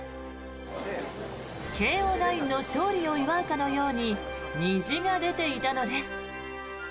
慶応ナインの勝利を祝うかのように虹が出ていたのです。